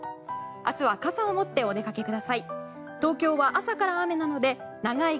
明日は傘を持ってお出かけください。